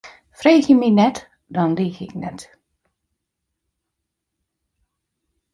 Freegje my net, dan liich ik net.